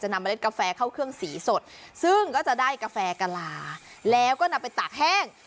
นำเล็ดกาแฟเข้าเครื่องสีสดซึ่งก็จะได้กาแฟกะลาแล้วก็นำไปตากแห้ง